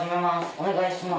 お願いします。